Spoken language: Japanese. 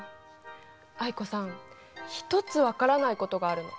藍子さん１つ分からないことがあるの。